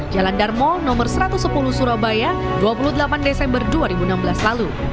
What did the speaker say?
jalan darmo no satu ratus sepuluh surabaya dua puluh delapan desember dua ribu enam belas lalu